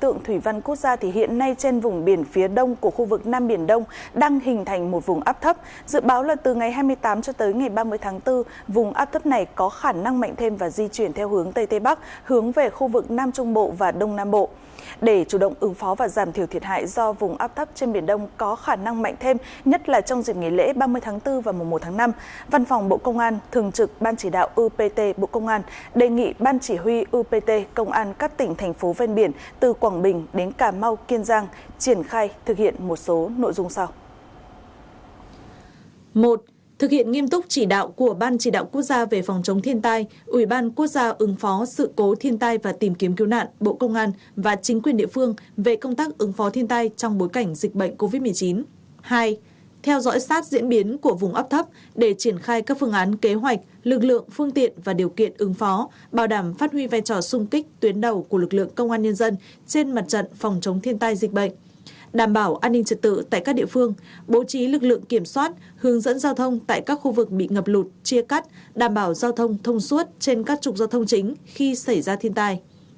hai theo dõi sát diễn biến của vùng ấp thấp để triển khai các phương án kế hoạch lực lượng phương tiện và điều kiện ứng phó bảo đảm phát huy vai trò sung kích tuyến đầu của lực lượng công an nhân dân trên mặt trận phòng chống thiên tai dịch bệnh đảm bảo an ninh trật tự tại các địa phương bố trí lực lượng kiểm soát hướng dẫn giao thông tại các khu vực bị ngập lụt chia cắt đảm bảo giao thông thông suốt trên các trục giao thông chính khi xảy ra thiên tai